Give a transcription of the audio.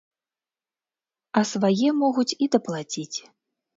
А свае могуць і даплаціць.